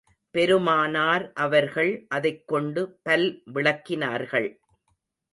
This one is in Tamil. பெருமானார் அவர்கள் அதைக் கொண்டு பல் விளக்கினார்கள்.